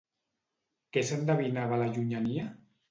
Què s'endevinava a la llunyania?